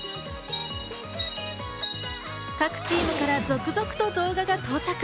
各チームから続々と動画が到着。